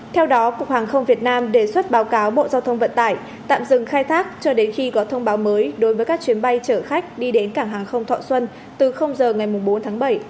theo đó cục hàng không việt nam đề xuất báo cáo bộ giao thông vận tải tạm dừng khai thác cho đến khi có thông báo mới đối với các chuyến bay chở khách đi đến cảng hàng không thọ xuân từ giờ ngày bốn tháng bảy